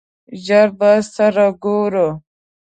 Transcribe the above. ژر به سره ګورو !